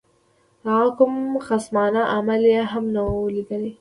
د هغه کوم خصمانه عمل یې هم نه وو لیدلی.